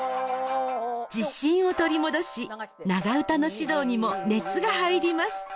自信を取り戻し長唄の指導にも熱が入ります。